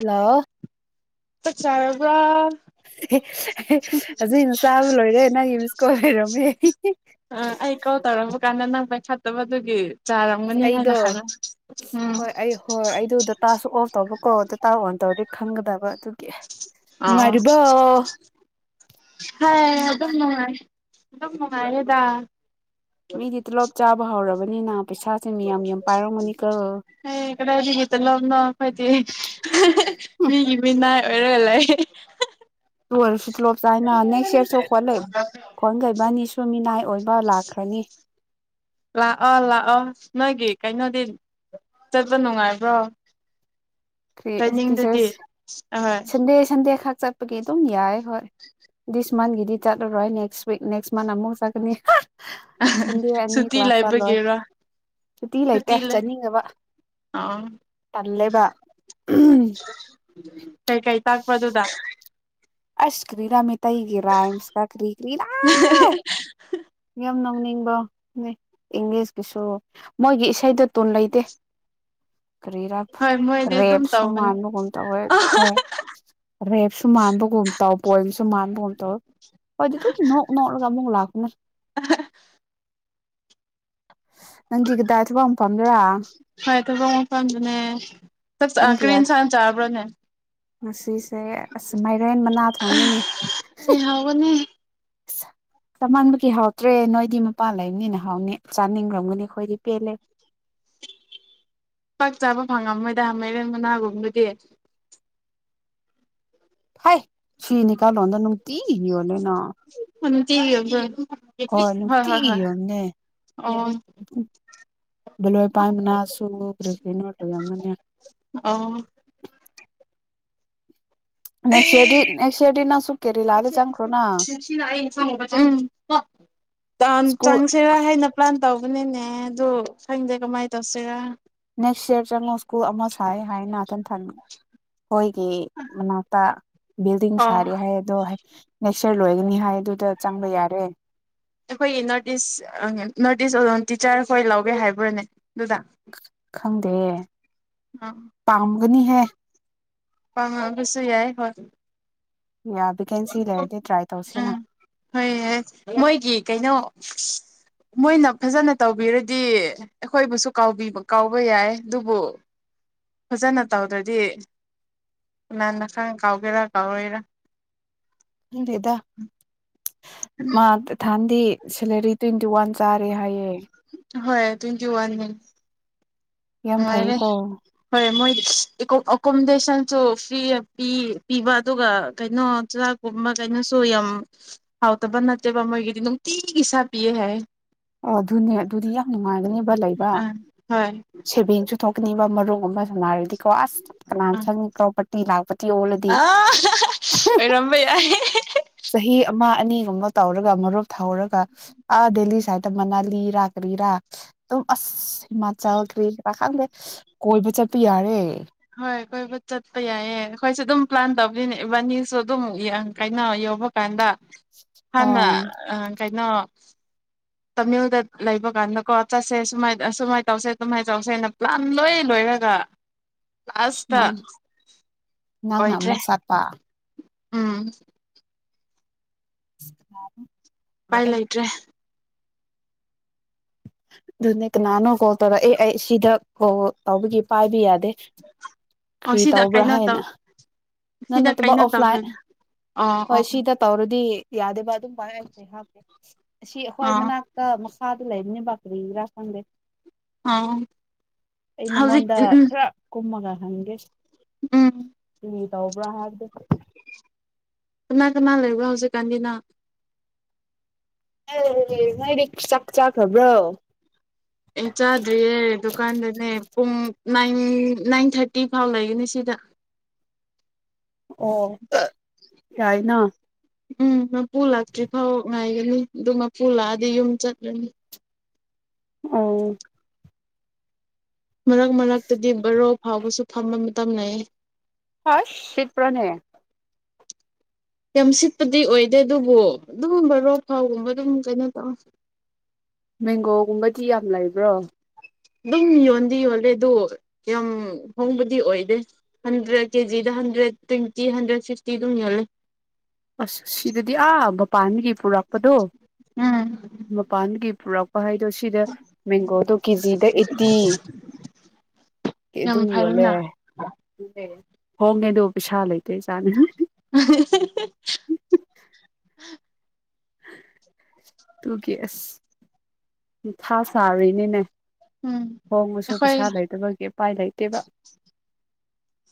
hello ꯆꯥꯛ ꯆꯔꯕ꯭ꯔ ꯑꯍꯦ ꯑꯍꯦ ꯍꯧꯖꯤꯛꯅ ꯆꯥꯕ ꯂꯣꯏꯔꯦ ꯅꯪꯒꯤ ꯃꯤꯁꯀꯣ ꯂꯩꯏꯔꯝꯃꯦ [inaudible] ꯐꯠꯇꯕꯗꯨꯒꯤ ꯑꯁ ꯑꯩꯗꯣ ꯎꯝ ꯍꯣꯏ ꯑꯩ ꯍꯣꯏ ꯑꯩꯗꯣ ꯗꯇꯥꯁꯨ ꯑꯣꯐ ꯇꯧꯕꯀꯣ ꯗꯇꯥ ꯑꯣꯟ ꯇꯧꯔꯤ ꯈꯪꯒꯗꯕ ꯑꯗꯨꯒꯤ ꯅꯨꯡꯉꯥꯏꯔꯤꯕꫭ ꯍ ꯑꯗꯨꯝ ꯅꯨꯡꯉꯥꯏ ꯑꯗꯨꯝ ꯅꯨꯡꯉꯥꯏꯔꯤꯗ ꯃꯤꯗꯤ ꯇꯣꯂꯣꯞ ꯆꯥꯕ ꯍꯧꯔꯕꯅꯤꯅ ꯄꯩꯁꯥꯁꯦ ꯃꯤꯌꯥꯝ ꯌꯥꯝ ꯄꯥꯏꯔꯝꯒꯅꯤꯀꯣ ꯎꯝ ꯏ ꯀ ꯍꯥꯏꯖꯤꯒꯤꯇ ꯂꯅ ꯈꯗꯤ ꯃꯤꯒꯤ ꯃꯤꯅꯥꯏ ꯑꯣꯏꯔ ꯂꯩ ꯑꯗꯨ ꯑꫭꯏꯔꯁꯨ ꯇꯨꯂꫭꯞ ꯆꯥꯏꯃꯥ ꯅꯪ ꯅꯦꯛꯁ ꯏꯔꯁꯨ ꯈꯣꯠ ꯈꯣꯠꯈꯩꯕ ꯑꯅꯤꯁꯨ ꯃꯤꯅꯥꯏ ꯑꯣꯏꯕ ꯂꯥꯛꯈ꯭ꯔꯅꯤ ꯂꯥꯛꯑꯣ ꯂꯥꯛꯑꯣ ꯅꯣꯏꯒꯤ ꯀꯩꯅꯣꯗꯤ ꯆꯠꯄ ꯅꯨꯡꯉꯥꯏꯕ꯭ꯔꯣ ꯇ꯭ꯔꯦꯅꯤꯡꯗꯨꯗꯤ ꯇꯤꯆꯔꯁ ꯑꯍꯣꯏ ꯁꯟꯗꯦ ꯁꯟꯗꯦ ꯈ ꯆꯠꯄꯒꯤ ꯑꯗꯨꯝ ꯌꯥꯏ ꯍꯣꯏ ꯗꯤꯁ ꯃꯟꯠꯒꯤꯗꯤ ꯆꯠꯂꯔꯣꯏ ꯅꯦꯛꯁ ꯋꯤꯛ ꯅꯦꯛꯁ ꯃꯟꯠ ꯑꯃꯨꯐꯛ ꯆꯠꯀꯅꯤ ꯁꯟꯗꯦ ꯑꯅꯤ ꯁꯨꯇꯤ ꯀ꯭ꯂꯥꯁ ꯆꯠꯂꯣꯏ ꯂꯩꯕꯒꯤꯔꯣ ꯁꯨꯇꯤ ꯂꯩꯇꯦ ꯆꯠꯅꯤꯡꯉꯕ ꯑꯥ ꯇꯜꯂꯦꯕ ꯎꯝ ꯎ ꯀꯩꯀꯩ ꯇꯥꯛꯄꯗꯨꯗ ꯑꯁ ꯀ꯭ꯔꯤ ꯔꯃꯤ ꯇꯩꯒꯤꯔꯥꯥꯏꯝꯁ ꯀꯥ ꯀꯔꯤ ꯀꯔꯤꯔ ꯌꯝꯅ ꯅꯤꯡꯕ ꯏꯪꯂꯤꯁꯀꯤꯁꯨ ꯃꯣꯏꯒꯤ ꯏꯁꯩꯗ ꯇꯨ ꯂꯩꯇꯦ ꯀꯔꯤꯔ ꯍꯣꯏ ꯃꯣꯏꯗꯤ ꯑꯗꯨꯝ ꯔꯦꯞꯁꯨ ꯇꯧꯕꯅꯦ ꯃꯥꯟꯕꯒꯨꯝ ꯇꯧꯋꯦ ꯍꯣꯏ ꯔꯦꯞꯁꯨ ꯃꯥꯟꯕꯒꯨꯝ ꯇꯧ ꯄꯣꯏꯟꯁꯨ ꯃꯥꯟꯕꯒꯨꯝ ꯇꯣ ꯍꯣꯏꯗꯤ ꯑꯗꯨꯝ ꯅꯣꯛ ꯅꯣꯛꯂꯒ ꯑꯃꯨꯛ ꯂꯥꯛꯀꯅꯦ ꯀꯗꯥꯏ ꯊꯕꯛ ꯃꯐꯝꯗꯔꯥ ꯍꯣꯏ ꯊꯕꯣꯛ ꯃꯐꯝꯗꯨꯅꯦ ꯄꯨꯡ ꯀꯔꯤ ꯀꯌꯥ ꯑꯦꯟꯁꯥꯡ ꯆꯥꯕ꯭ꯔꯥꯅꯦ ꯉꯁꯤꯁꯦ ꯑꯁ ꯃꯥꯏꯔꯦꯟ ꯃꯅꯥ ꯊꯣꯡꯉꯤꯅꯦ ꯑꯩ ꯍꯥꯎꯕꯅꯦ ꯆꯃꯕꯒꯤ ꯍꯥꯎꯇ꯭ꯔꯦ ꯅꯣꯏꯗꯤ ꯃꯄꯥꯟ ꯂꯩꯕꯅꯤꯅ ꯍꯥꯎꯅꯤ ꯆꯥꯅꯤꯡꯈ꯭ꯔꯝꯒꯅꯤ ꯑꯩꯈꯣꯏꯗꯤ ꯄꯦꯜꯂꯦ ꯄꯥꯛ ꯆꯥꯕ ꯐꯪꯉꯝꯃꯣꯏꯗ ꯃꯩꯔꯦꯟ ꯃꯅꯥꯒꯨꯝꯗꯨꯗꯤ ꯐꯩ ꯁꯤꯏꯅꯤ ꯀꯜꯂꯣꯅ ꯇꯤ ꯍꯂꯅ ꯍꯇꯤ ꯌ ꯍꯣꯏ ꯅꯨꯡꯇꯤꯒꯤ ꯌꯣꯟꯅꯦ ꯑꯣ ꯕꯂꯣꯏ ꯄꯥꯏ ꯃꯅꯥꯁꯨꯈ꯭ꯔ ꯀ꯭ꯔꯤ ꯀ꯭ꯔꯤꯅꯣ ꯌꯣꯟꯒꯅꯤ ꯑꯣ ꯎꯝ ꯅꯦꯛꯁ ꯌꯔꯗꯤ ꯑꯦ ꯅꯦꯛꯁ ꯌꯔꯗꯤ ꯅꯪꯁꯨ ꯀꯦꯔꯦꯂꯥꯗ ꯆꯪꯈ꯭ꯔꯣꯅ ꯎꯝ ꯁ꯭ꯀꯨꯜ ꯆꯥꯡ ꯁꯦ ꯍꯥꯏꯅ ꯄ꯭ꯂꯥꯟ ꯇꯧꯕꯅꯤꯅꯦ ꯑꯗꯨ ꯈꯪꯗꯦ ꯀꯃꯥꯏꯅ ꯇꯧꯁꯤꯔ ꯅꯦꯛꯁ ꯌꯔ ꯆꯪꯉꯨ ꯁ꯭ꯀꯨꯜ ꯑꯃ ꯁꯥꯏ ꯍꯥꯏꯅ ꯉꯥꯛꯇꯟ ꯑꯩꯈꯣꯏꯒꯤ ꯃꯅꯥꯛꯇ ꯕꯤꯜꯗꯤꯡ ꯑꯣ ꯁꯥꯔꯤ ꯍꯥꯏꯗꯣ ꯅꯦꯛꯁ ꯏꯌꯥꯔ ꯂꯣꯏꯒꯅꯤ ꯍꯥꯏꯗꯨꯗ ꯆꯪꯕ ꯌꯥꯔꯦ ꯑꯩꯈꯣꯏꯒꯤ ꯅꯣꯔꯠ ꯏꯁ ꯅꯣꯔꯠ ꯏꯁ ꯑꯣꯂꯝ ꯇꯤꯆꯔ ꯍꯈꯣꯏ ꯂꯧꯒꯦ ꯍꯥꯏꯕ꯭ꯔꯅꯦ ꯑꯗꯨꯗ ꯈꯪꯗꯦ ꯑ ꯎꯪꯒꯅꯤ ꯍꯥꯏ ꯄꯁꯨ ꯌꯥꯏ ꯍꯣꯏ ꯚꯦꯀꯦꯟꯁꯤ ꯂꯩꯔꯗꯤ ꯇ꯭ꯔꯥꯏ ꯇꯧꯁꯦꯅ ꯎꯝ ꯍꯣꯏ ꯃꯣꯏꯒꯤ ꯀꯩꯅꯣ ꯃꯣꯏꯅ ꯐꯖꯅ ꯇꯧꯕꯤꯔꯗꯤ ꯑꯩꯈꯣꯏꯕꯨꯁꯨꯕ ꯀꯥꯎꯕ ꯌꯥꯏ ꯑꯗꯨꯕꯨ ꯐꯖꯅ ꯇꯧꯗ꯭ꯔꯗꯤ ꯂꯥꯟꯅꯈꯥꯡ ꯀꯥꯎꯒꯦꯔꯥ ꯀꯥꯎꯔꯣꯏꯔꯥ ꯎꯦꯗꯦꯗ ꯃꯥ ꯊꯥꯟꯗꯤ ꯁꯦꯂꯔꯤ ꯇ꯭ꯋꯦꯟꯇꯤ ꯋꯥꯟ ꯆꯥꯔꯦ ꯍꯥꯏꯌꯦ ꯍꯣꯏ ꯇ꯭ꯋꯦꯇꯤ ꯋꯥꯟꯅꯤ ꯌꯥꯝ ꯅꯨꯡꯉꯥꯏꯔꯦ ꯐꯩꯌꯦꯀꯣ ꯍꯣꯏ ꯃꯣꯏꯗꯤ ꯑꯦꯀꯣꯃꯣꯗꯦꯁꯟꯁꯨ ꯐ꯭ꯔꯤ ꯄꯤ ꯄꯤꯕ ꯑꯗꯨꯒ ꯀꯩꯅꯣ ꯆꯨꯔꯥꯛꯀꯨꯝꯕ ꯀꯩꯅꯣꯁꯨ ꯌꯥꯝ ꯍꯥꯎꯇꯕ ꯅꯠꯇꯦꯕ ꯃꯣꯏꯒꯤꯗꯤ ꯅꯨꯡꯇꯤꯒꯤ ꯏꯁꯥ ꯄꯤꯌꯦ ꯍꯥꯏ ꯑꯣ ꯑꯗꯨꯅꯦ ꯑꯗꯨꯗꯤ ꯌꯥꯝ ꯅꯨꯡꯉꯥꯏꯒꯅꯤ ꯑꯝ ꯍꯣꯏ ꯁꯦꯕꯦꯡꯁꯨ ꯊꯣꯛꯀꯅꯤꯡꯕ ꯃꯔꯣꯛ ꯅꯨꯪꯉꯥꯏꯔꯗꯤ ꯁ ꯀꯅꯥꯅ ꯑꯥ ꯈꯪꯉꯤ ꯄ꯭ꯔꯣꯄꯔꯇꯤ ꯂꯥꯛꯄꯗꯤ ꯑꯣꯜꯂꯗꯤ ꯑꯥ ꯑꯣꯏꯔꯝꯕ ꯌꯥꯏ ꯆꯍꯤ ꯑꯃ ꯑꯅꯤꯒꯨꯝꯕ ꯇꯧꯔꯒ ꯃꯔꯨꯞ ꯊꯍꯔꯒ ꯑꯥ ꯗꯦꯍꯤ ꯁꯥꯏꯠꯇ ꯃꯅꯥꯂꯤꯔꯥ ꯀꯔꯤꯔꯥ ꯑꯗꯨꯝ ꯑꯁ ꯆꯥꯈ꯭ꯔꯦ ꯀ ꯈꯪꯗꯦ ꯀꯣꯏꯕ ꯆꯠꯄ ꯌꯥꯔꯦ ꯍꯣꯏ ꯀꯣꯏꯕ ꯆꯠꯄ ꯌꯥꯏꯌꯦ ꯑꯩꯈꯣꯏꯁꯨ ꯑꯗꯨꯝ ꯄ꯭ꯂꯥꯟ ꯇꯧꯕꯅꯤꯅꯦ ꯏꯕꯥꯅꯤꯁꯨ ꯑꯗꯨꯝ ꯀꯩꯅꯣ ꯌꯧꯕ ꯀꯥꯟꯗ ꯍꯅ ꯑꯪ ꯑ ꯀꯥꯏꯅꯣ ꯇꯥꯃꯤꯜꯗ ꯂꯩꯕ ꯀꯥꯟꯗꯀꯣ ꯆꯠꯁꯦ ꯁꯨꯃꯥꯏ ꯁꯨꯃꯥꯏꯅ ꯇꯧꯁꯦ ꯑꯗꯨꯃꯥꯏꯅ ꯇꯧꯁꯦꯅ ꯄ꯭ꯂꯥꯟ ꯂꯣꯏ ꯂꯣꯏꯔꯒ ꯂꯥꯁꯇ ꯅꯪ ꯅꯪꯅ ꯑꯣꯏꯗ꯭ꯔꯦ ꯑꯃꯨꯛ ꯆꯠꯄ ꯎꯝ [inaudible] ꯏꯄꯥꯏ ꯄꯨꯔꯛꯑꯦ ꯂꯩꯇ꯭ꯔꯦ ꯑꯗꯨꯅꯦꯛ ꯅꯥꯅꯣ ꯀꯣ ꯇ ꯑꯦ ꯑꯥꯏ ꯁꯤꯗ ꯍꯣ ꯑꯗꯨꯒꯤ ꯄꯥꯏꯕ ꯌꯥꯗꯦ ꯑꯣ ꯀꯔꯤ ꯁꯤꯗ ꯇꯧꯕ꯭ꯔꯥ ꯀꯩꯅꯣ ꯇꯧ ꯍꯥꯏꯅ ꯅ ꯁꯤꯗ ꯅꯠꯇꯕ ꯀꯩꯅꯣ ꯑꯣꯐꯂꯥꯏꯟ ꯇꯧꯈ꯭ꯔꯦꯗ ꯑꯣ ꯍꯣꯏ ꯑꯣ ꯁꯤꯗ ꯇꯧꯔ ꯑꯗꯨꯗꯤ ꯌꯥꯗꯦꯕꯥ ꯑꯗꯨꯝ ꯄ ꯁꯅꯦ ꯍꯥꯏ ꯑꯁꯤ ꯑꯩꯈꯣꯏ ꯑꯣ ꯃꯅꯥꯛꯇ ꯁꯥꯗ ꯂꯩꯕꯅꯤꯕ ꯀꯔꯤꯒꯤꯔꯥ ꯈꯪꯗꯦ ꯑꯣ ꯑꯩ ꯍꯧꯖꯤꯛ ꯃꯉꯣꯟꯗ ꯎꯝ ꯈꯔ ꯀꯨꯝꯃꯒ ꯍꯟꯒꯦꯁꯨ ꯎꯝ ꯇꯎꯕ꯭ꯔꯥ ꯍꯥꯏꯗꯗꯣ ꯀꯅꯥ ꯀꯅꯥ ꯂꯩꯕꯣ ꯍꯧꯖꯤꯛꯀꯥꯟꯒꯤꯅ ꯑꯦ ꯉꯥꯏꯗꯤ ꯆꯥꯛ ꯆꯥꯈ꯭ꯔꯕ꯭ꯔꯣ ꯑꯩ ꯆꯥꯗ꯭ꯔꯤꯌꯦ ꯗꯨꯀꯥꯟꯗꯅꯦ ꯄꯨꯡ ꯅꯥꯏꯟ ꯅꯥꯏꯟ ꯊꯥꯔꯇꯤ ꯐꯥꯎ ꯂꯩꯒꯅꯤ ꯁꯤꯗ ꯑꯣ ꯌꯥꯏꯅꯥ ꯎꯝ ꯃꯄꯨ ꯂꯥꯛꯇ꯭ꯔꯤ ꯐꯥꯎ ꯉꯥꯏꯒꯅꯤ ꯑꯗꯨ ꯃꯄꯨ ꯂꯥꯛꯑꯗꯤ ꯌꯨꯝ ꯆꯠꯂꯅꯤ ꯑꯣ ꯃꯔꯛ ꯃꯔꯛꯇꯗꯤ ꯕꯔꯣ ꯐꯥꯎꯕꯁꯨ ꯐꯝꯕ ꯃꯇꯝ ꯂꯩꯇꯦ ꯑꯁ ꯁꯤꯠ ꯄ꯭ꯔꯅꯦ ꯌꯥꯝ ꯁꯤꯠꯄꯗꯤ ꯑꯣꯏꯗꯦ ꯑꯗꯨꯕꯨ ꯑꯗꯨꯝ ꯚꯔꯣ ꯐꯥꯎꯒꯨꯝꯕ ꯑꯗꯨꯝ ꯀꯩꯅꯣ ꯇꯧ ꯃꯦꯡꯒꯣꯒꯨꯝꯕꯗꯤ ꯌꯥꯝ ꯂꯩꯕ꯭ꯔꯣ ꯑꯗꯨꯝ ꯌꯣꯟꯗꯤ ꯌꯣꯜꯂꯦ ꯑꯗꯣ ꯌꯥꯝ ꯍꯣꯡꯕꯗꯤ ꯑꯣꯏꯗꯦ ꯍꯟꯗ꯭ꯔꯦꯠ ꯀꯦꯖꯤꯗ ꯍꯟꯗ꯭ꯔꯦꯠ ꯇ꯭ꯋꯦꯟꯇꯤ ꯍꯟꯗ꯭ꯔꯦꯠ ꯐꯤꯐꯇꯤ ꯑꯗꯨꯝ ꯌꯣꯜꯂꯦ ꯑꯁ ꯁꯤꯗꯗꯤ ꯑꯥ ꯃꯄꯥꯟꯗꯒꯤ ꯄꯨꯔꯛꯄꯗꯣ ꯎꯝ ꯃꯄꯥꯟꯗꯒꯤ ꯄꯨꯔꯛꯄ ꯄꯥꯥꯏꯗꯣ ꯁꯤꯗ ꯃꯦꯡꯒꯣꯗꯣ ꯀꯦꯖꯤꯗ ꯑꯩꯠꯇꯤ ꯌꯥꯝ ꯑꯗꯨꯝ ꯌꯣꯜꯂꯦ ꯐꯩꯅ ꯍꯣꯡꯉꯦ ꯑꯗꯨ ꯄꯩꯁꯥ ꯂꯩꯇꯦ ꯆꯥꯅꯤꯉꯥꯏ ꯑ ꯍꯤ ꯍꯤ ꯇꯨꯒꯤ ꯑꯁ ꯃꯊꯥ ꯁꯥꯔꯤꯅꯤꯅꯦ ꯎꯝ ꯍꯣꯡꯕꯁꯨ ꯑꯩꯈꯣꯏ ꯄꯩꯁꯥ ꯂꯩꯇꯕꯒꯤ ꯎꯄꯥꯏ ꯂꯩꯇꯦꯕ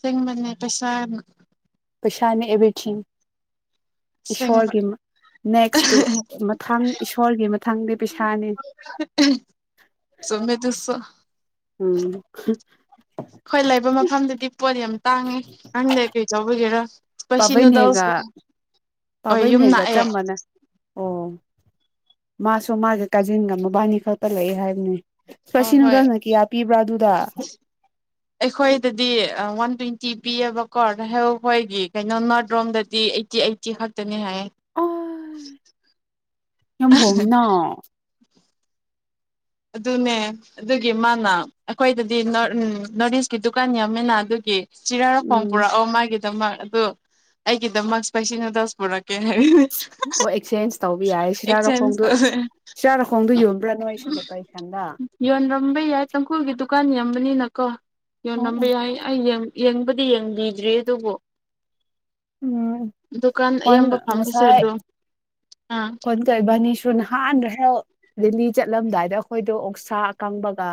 ꯇꯤꯡꯕꯅꯦ ꯄꯩꯁꯥ ꯌꯝꯅꯥ ꯄꯩꯁꯅꯦ ꯑꯦꯕꯔ꯭ꯤ ꯊꯤꯡ ꯁꯦꯡꯕ ꯏꯁꯣꯔꯒꯤ ꯅꯦꯛꯁꯇꯨ ꯃꯊꯪ ꯏꯁꯣꯔꯒꯤ ꯃꯊꯪꯗꯤ ꯄꯩꯁꯥꯅꯤ ꯆꯨꯝꯃꯦ ꯑꯗꯨꯁꯨ ꯎꯝ ꯍꯣꯏ ꯂꯩꯕ ꯃꯐꯝꯗꯗꯤ ꯄꯣꯠ ꯌꯥꯝ ꯇꯥꯡꯉꯦ ꯈꯪꯗꯦ ꯀꯩ ꯇꯧꯕꯒꯦꯔꯥ ꯄꯥꯕꯩꯅꯦꯒ ꯍꯣꯏ ꯌꯨꯝ ꯄꯥꯕꯩꯅꯦꯒ ꯂꯥꯛꯑꯦ ꯆꯝꯝꯕꯅ ꯑꯣ ꯃꯥꯁꯨ ꯃꯥꯒꯤ ꯀꯥꯖꯤꯟꯒ ꯃꯕꯥꯅꯤ ꯈꯛꯇ ꯂꯩ ꯍꯥꯏꯕꯅꯤ ꯑ ꯍꯣꯏ ꯑꯩꯈꯣꯏꯗꯗꯤ ꯋꯥꯟ ꯇ꯭ꯋꯦꯟꯇꯤ ꯇꯤ ꯄꯤꯌꯦꯕꯥꯀꯣ ꯍꯈꯣꯏꯒꯤ ꯀꯩꯅꯣ ꯅꯣꯔꯠ ꯔꯣꯝꯗꯗꯤ ꯑꯩꯠꯇꯤ ꯑꯩꯠꯇꯤ ꯈꯛꯇꯅꯤ ꯍꯥꯏꯌꯦ ꯑꯣ ꯌꯥꯝ ꯍꯣꯡꯉꯦ ꯅꯥ ꯑꯗꯨꯅꯦ ꯑꯗꯨꯒꯤ ꯃꯥꯅ ꯑꯩꯈꯣꯏꯗꯗꯤ ꯎ ꯅꯣꯔꯠ ꯏꯁꯀꯤ ꯗꯨꯀꯥꯟ ꯌꯥꯝꯎꯃꯤꯅ ꯑꯗꯨꯒꯤ ꯆꯤꯔꯥ ꯔ ꯐꯣꯡꯄ ꯎꯝ ꯄꯨꯨꯔꯥ ꯑꯣ ꯃꯥꯒꯤꯦ ꯗꯃꯛ ꯑꯗꯨ ꯑꯩꯒꯤꯗꯃꯛ ꯏꯁꯄꯦꯁꯤ ꯅꯨꯗꯜꯁ ꯄꯨꯔꯛ ꯑꯣ ꯑꯦꯛꯆꯦꯟꯁ ꯇꯧꯕ ꯌꯥꯏ ꯑꯦꯛꯆꯦꯟꯖ ꯁꯤꯔꯥꯔꯈꯣꯡꯗꯣ ꯇꯧꯋꯦ ꯁꯤꯔꯥꯔꯈꯣꯡꯗꯣ ꯌꯣꯟꯕ꯭ꯔꯥ ꯅꯣꯏ ꯑꯩ ꯁꯤꯗ ꯀꯩ ꯌꯣꯟ ꯔꯝꯕꯩ ꯌꯥꯏ ꯇꯥꯡꯈꯨꯜꯒꯤ ꯗꯨꯀꯥꯟ ꯌꯥꯝꯕꯅꯤꯅꯀꯣ ꯌꯣꯜ ꯎꯝ ꯂꯝꯕ ꯌꯥꯏ ꯑꯩ ꯌꯦꯡ ꯌꯦꯡꯕꯗꯤ ꯌꯦꯡꯕꯤꯗ꯭ꯔꯤ ꯑꯗꯨꯕꯨ ꯎꯝ ꯗꯨꯀꯥꯟ ꯐꯟ ꯑꯌꯥꯝꯕ ꯐꯝꯕꯁꯦ ꯉꯁꯥꯏ ꯑꯗꯨ ꯑꯥ ꯍꯣꯟ ꯀꯕꯅꯤꯁꯨ ꯅꯍꯥꯟꯗ꯭ꯔ ꯗꯦꯜꯂꯤ ꯆꯠꯂꯝꯗꯥꯏꯗ ꯑꯩꯈꯣꯏꯗꯣ ꯑꯣꯛꯁꯥ ꯑꯀꯪꯕꯒ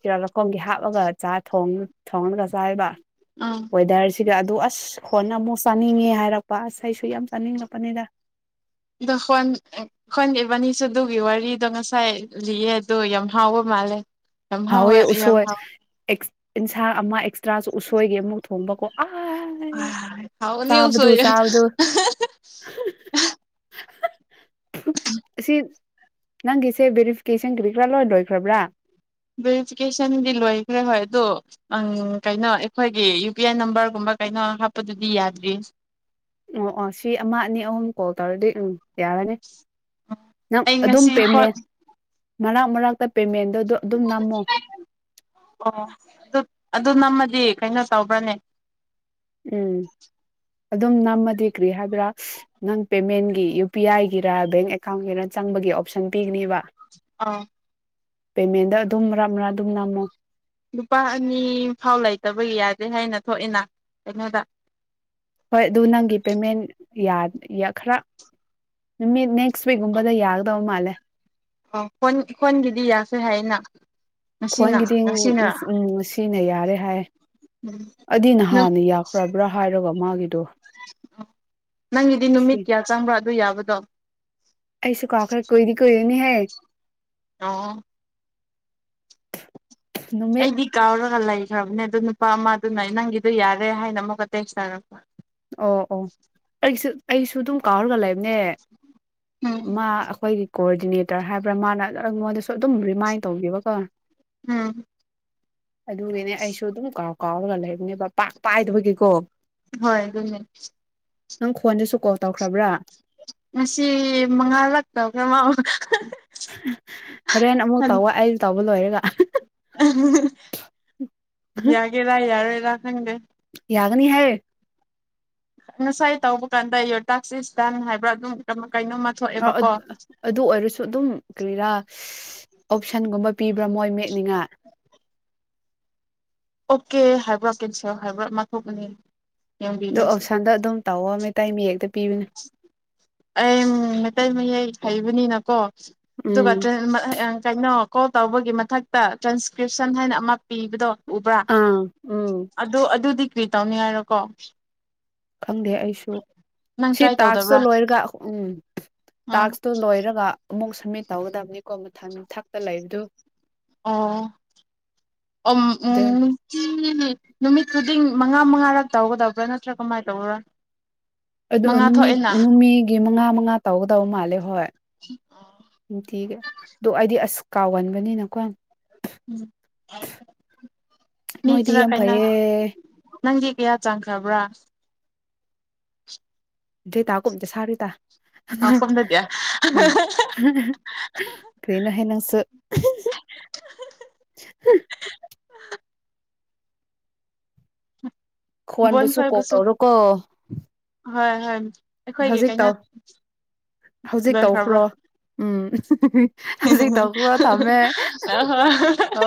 ꯐꯤꯔꯥ ꯂꯀꯣꯡꯒꯤ ꯍꯥꯞꯄꯒ ꯆꯥ ꯊꯣꯡꯉꯒ ꯆꯥꯏꯕ ꯑꯥ ꯋꯦꯗꯔꯁꯤꯒ ꯑꯗꯨ ꯑꯁ ꯍꯣꯅꯝ ꯆꯥꯅꯤꯡꯉꯦ ꯍꯥꯏꯔꯛꯄ ꯑꯁ ꯑꯩꯁꯨ ꯌꯥꯝ ꯆꯥꯅꯤꯡꯂꯛꯄꯅꯤꯗ ꯑꯗꯣ ꯍꯣꯟ ꯑ ꯍꫭꯟ ꯏꯕꯅꯤꯁꯨ ꯑꯗꯨꯒꯤ ꯋꯥꯔꯤꯗꯣ ꯉꯁꯥꯏ ꯂꯤꯌꯦ ꯑꯗꯣ ꯌꯥꯝ ꯍꯥꯎꯕ ꯃꯥꯜꯂꯦ ꯌꯥꯝ ꯍꯥꯎꯋꯦ ꯌꯥꯝ ꯎꯁꫭꯏ ꯍꯥꯎꯋꯦ ꯑꯦꯛꯁ ꯏꯟꯁꯥꯡ ꯑꯃ ꯑꯦꯛꯁꯇ꯭ꯔꯥꯁꯨ ꯎꯁꯣꯏꯒꯤ ꯑꯃꯨꯛ ꯊꯣꯡꯕ ꯀꯣ ꯑ ꯑ ꯍꯥꯎꯕꯅꯤ ꯎꯁꫭꯏ ꯆꯥꯕꯗꯨ ꯑꯁꯤ ꯅꯪꯒꯤꯁꯦ ꯕꯦꯔꯤꯐꯤꯀꯦꯁꯟ ꯀꯔꯤ ꯀꯔꯥ ꯂꯣꯏ ꯂꯣꯏꯈ꯭ꯔꯕ꯭ꯔꯥ ꯚꯦꯔꯤꯐꯤꯀꯦꯁꯟꯗꯤ ꯂꯣꯏꯈ꯭ꯔꯦ ꯍꯣꯏ ꯑꯗꯣ ꯑꯪ ꯀꯩꯅꯣ ꯑꯩꯈꯣꯏꯒꯤ ꯌꯨ ꯄꯤ ꯑꯥꯏ ꯅꯝꯕꯔꯒꯨꯝꯕ ꯀꯩꯅꯣ ꯍꯥꯞꯄꯗꯨꯗꯤ ꯌꯥꯗ꯭ꯔꯤꯌꯦ ꯑꯣ ꯑꯣ ꯁꯤ ꯑꯃ ꯑꯅꯤ ꯑꯍꯨꯝ ꯀꯣꯜ ꯇꯧꯔꯗꯤ ꯎꯝ ꯌꯥꯔꯅꯤ ꯅꯪ ꯑꯩ ꯑꯗꯨꯝ ꯉꯁꯤ ꯄꯦꯃꯦ ꯈꯣꯠ ꯃꯔꯛ ꯃꯔꯛꯇ ꯄꯦꯃꯦꯟꯗꯣ ꯑꯗꯨꯝ ꯅꯝꯃꯣ ꯑꯣ ꯗꯨ ꯑꯗꯨ ꯅꯝꯃ ꯗꯤ ꯀꯩꯅꯣ ꯇꯧꯕ꯭ꯔꯥꯅꯦ ꯎꯝ ꯑꯗꯨꯝ ꯅꯝꯃꯗꯤ ꯀꯔꯤ ꯍꯥꯏꯕ꯭ꯔꯥ ꯅꯪ ꯄꯦꯃꯦꯟꯒꯤ ꯌꯨ ꯄꯤ ꯑꯥꯏꯒꯤꯔ ꯕꯦꯡ ꯑꯦꯀꯥꯎꯟꯒꯤꯔ ꯆꯪꯕꯒꯤ ꯑꯣꯞꯁꯟ ꯄꯤꯒꯅꯤꯕ ꯑꯥ ꯄꯦꯃꯦꯟꯗ ꯑꯗꯨꯝ ꯃꯔꯛ ꯃꯔꯛ ꯑꯗꯨꯝ ꯅꯝꯃꯣ ꯂꯨꯄꯥ ꯑꯅꯤ ꯐꯥꯎ ꯂꯩꯇꯕ ꯌꯥꯗꯦ ꯍꯥꯏꯅ ꯊꯣꯛꯑꯦꯅ ꯀꯩꯅꯣꯗ ꯍꯣꯏ ꯑꯗꯨ ꯅꯪꯒꯤ ꯄꯦꯃꯦꯟ ꯌꯥ ꯌꯥ ꯈꯔ ꯅꯨꯃꯤꯠ ꯅꯦꯛꯁ ꯋꯤꯛꯀꯨꯝꯕꯗ ꯌꯥꯒꯗꯕ ꯃꯥꯜꯂꯦ ꯑ ꯍꫭꯟ ꯍꯣꯟꯒꯤꯗꯤ ꯌꯥꯈ꯭ꯔꯦ ꯍꯥꯌꯦꯅꯥ ꯈ꯭ꯋꯪꯒꯤꯗꯤꯡ ꯎꯝ ꯉ ꯉꯁꯤꯅ ꯌꯥꯔꯦ ꯍꯥꯏ ꯑꯩꯗꯤ ꯎꯝ ꯅꯍꯥꯟꯅ ꯌꯥꯈ꯭ꯔꯕ꯭ꯔꯥ ꯍꯥꯏꯔꯒ ꯃꯥꯒꯤꯗꯣ ꯅꯪꯒꯤꯗꯤ ꯁꯤ ꯅꯨꯃꯤꯠ ꯀꯌꯥ ꯆꯪꯕ꯭ꯔꯥ ꯑꯗꯨ ꯌꯥꯕꯗꯣ ꯑꯩꯁꯨ ꯀꯥꯎꯈ꯭ꯔꯦ ꯀꯨꯏꯗꯤ [inaudible] ꯑꫭ ꯅꯨꯃꯤꯠ ꯑꯩꯗꯤ ꯀꯥꯎꯔꯒ ꯂꯩ ꯂꯩꯈ꯭ꯔꯕꯅꯦ ꯑꯗꯨ ꯅꯨꯄꯥ ꯑꯃꯗꯨꯅ ꯅꯪꯒꯤꯗꯣ ꯌꯥꯔꯦ ꯍꯥꯏꯅ ꯑꯃꯨꯛ ꯇꯦꯛꯁ ꯊꯥꯔꯛ ꯑꯣ ꯑꯣ ꯑꯩꯁꯨ ꯑꯩꯁꯨ ꯑꯗꯨꯝ ꯀꯥꯎꯔꯒ ꯂꯩ ꯅꯦ ꯎꯝ ꯃꯥ ꯑꯩꯈꯣꯏꯒꯤ ꯀꯣꯑꯣꯔꯗꯤꯅꯦꯇꯔ ꯍꯥꯏꯕ꯭ꯔꯥ ꯃꯥꯅ ꯑꯉꫭꯟꯗꯁꯨ ꯑꯗꯨꯝ ꯔꯤꯃꯥꯏꯟ ꯇꯧꯕꯤꯕꯀꯣ ꯎꯝ ꯑꯗꯨꯅꯅꯦ ꯑꯩꯁꯨ ꯑꯗꯨꯝ ꯀꯥꯎ ꯀꯥꯎꯔꯒ ꯂꯩꯕꯅꯦꯕ ꯄꯥꯛ ꯄꯥꯏꯗꯕꯒꯤꯀꯣ ꯍꯣꯏ ꯑꯗꯨꯝꯅꯦ ꯅꯪ ꯈꫭꯟꯗꯁꯨ ꯀꯣꯜ ꯇꯧꯈ꯭ꯔꯕ꯭ꯔꯥ ꯉꯁꯤ ꯃꯉꯥ ꯂꯛ ꯇꯩꯈ꯭ꯔꯦ ꯃꯥ ꯍꫭꯔꯦꯟ ꯑꯃꯨ ꯇꯧꯋꫭ ꯑꯩꯁꯨ ꯇꯧ ꯂꯣꯏꯔꯒ ꯌꯥꯒꯦꯔ ꯌꯥꯔ ꯑꯦꯔ ꯍꯪꯗꯦ ꯌꯥꯒꯅꯤ ꯍꯥꯏ ꯉꯁꯥꯏ ꯇꯧꯕ ꯀꯥꯟꯗ ꯌꯣꯔꯇꯥꯛꯁꯦ ꯏꯁꯇꯟ ꯍꯥꯏꯕ꯭ꯔꯥ ꯑꯗꯨꯝ ꯀꯩꯅꯣꯝꯃ ꯑ ꯊꯣꯛꯑꯦꯕꯀꯣ ꯑꯗꯨ ꯑꯣꯏꯔꯁꯨ ꯑꯗꯨꯝ ꯀꯔꯤꯔꯥ ꯑꯣꯞꯁꯟꯒꯨꯝꯕ ꯄꯤꯕ꯭ꯔ ꯃꯣꯏ ꯃꯦꯠꯅꯤꯉꯥꯏ ꯑꯣꯀꯦ ꯍꯥꯏꯕ꯭ꯔꯥ ꯀꯦꯟꯁꯦꯜ ꯍꯥꯏꯕ꯭ꯔꯥ ꯃꯥ ꯊꯣꯂꯥꯛꯀꯅꯤ ꯑꯗꯣ ꯑꯁꯥꯟꯗ ꯑꯗꯨꯝ ꯇꯥꯎꯑꯣ ꯃꯇꯩꯥꯏ ꯃꯌꯦꯛꯇ ꯄꯤ ꯑꯩ ꯃꯥꯇꯥꯏ ꯃꯌꯥꯏ ꯍꯥꯏꯩꯕꯅꯤ ꯅ ꯀꯣ ꯎꯝ ꯑꯗꯨꯕꯥꯇ ꯀꯥꯏꯅꯣ ꯀꯣꯜ ꯇꯧꯕꯒꯤ ꯃꯊꯛꯇ ꯇ꯭ꯔꯥꯟꯁꯀ꯭ꯔꯤꯞꯁꯟ ꯍꯥꯏꯅ ꯑꯃ ꯄꯤꯕꯗꯣ ꯎꯕꯔꯥ ꯑꯥ ꯎꯝ ꯑꯗꯣ ꯑꯗꯨꯗꯤ ꯀ꯭ꯔꯤ ꯇꯧꯅꯤ ꯍꯥꯏꯔꯣꯀꯣ ꯈꯪꯗꯦ ꯑꯩꯁꯨ ꯁꯤ ꯇ꯭ꯔꯥꯏ ꯇꯥꯛꯁꯇꯣ ꯇꯧꯗꯕ꯭ꯔꯥ ꯂꯣꯏꯔꯒ ꯎꯝ ꯑꯥ ꯇꯥꯛꯁꯇꯣ ꯂꯣꯏꯔꯒ ꯑꯃꯨꯛ ꯁꯃꯤꯠ ꯇꯧꯒꯗꯕꯅꯤꯀꯣ ꯃꯊꯪ ꯃꯊꯛꯇ ꯂꯩꯕꯗꯨ ꯑꯣ ꯑꯣ ꯎꯝ ꯅꯨꯃꯤꯠ ꯈꯨꯗꯤꯡ ꯃꯉꯥ ꯃꯉꯥꯔꯛ ꯇꯧꯒꯗꯕ꯭ꯔꯥ ꯅꯠꯇ꯭ꯔꯥ ꯀꯃꯥꯏꯅ ꯇꯧꯕ꯭ꯔꯥ ꯑꯗꯣ ꯃꯉꯥ ꯅꯨꯃꯤꯠ ꯊꯣꯛꯑꯦꯅ ꯅꯨꯃꯤꯒꯤ ꯃꯉꯥ ꯉꯥ ꯇꯧꯒꯗꯧ ꯃꯥꯜꯂꯦ ꯍꯣꯏ ꯅꯨꯪꯇꯤꯒꯤ ꯑꯗꯨ ꯑꯩꯗꯤ ꯑꯁ ꯀꯥꯎꯒꯟꯕꯅꯤꯅꯀꯣ ꯎꯝ ꯅꯣꯏꯗꯤ ꯈꯔꯥ ꯌꯥꯝ ꯀꯩꯅꯣ ꯐꯩꯌꯦ ꯅꯪꯗꯤ ꯀꯌꯥ ꯆꯥꯡꯈ꯭ꯔꯕ꯭ꯔꯥ ꯑ ꯇꯥꯒꯨꯝꯁꯥꯗꯦꯗꯥ ꯑꯃꯥ ꯑꯁꯣꯝꯗꯗꯤ ꯀꯔꯤꯅꯥ ꯍꯦꯟꯅꯁꯨ [inaudible] ꯕꯣꯟ ꯈꯣꯟꯕꯨꯁꯨ ꯀꯣꯜ ꯈꯣꯏꯕꯨꯁꯨ ꯇꯧꯔꯨꯀꯣ ꯍꯣꯏ ꯍꯣꯏ ꯑꯩꯈꯣꯏꯒꯤ ꯍꯧꯖꯤꯛ ꯀꯩꯅꯣ ꯇꯧ ꯍꯧꯖꯤꯛ ꯂꯣꯏꯈ꯭ꯔꯕ꯭ꯔꯣ ꯇꯧꯈ꯭ꯔꯣ ꯎꯝ ꯍꯍꯍꯍ ꯍꯧꯖꯤꯛ ꯇꯧꯈ꯭ꯔꯣ ꯊꯝꯃꯦ ꯍꯣꯏ ꯍꯣꯏ